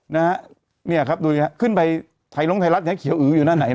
นะฮะนี่นะครับดูนี่ครับขึ้นไปไทยรัฐลงไทรัฐเขียะอื้ออยู่ภาษาไหนน่ะ